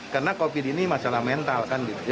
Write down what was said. karena covid sembilan belas ini masalah mental